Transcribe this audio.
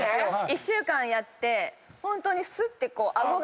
１週間やってホントにスッて。